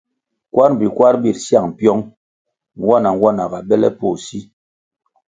Kwar mbpi kwar bir syang pyong, nwana-nwana ga bele poh si.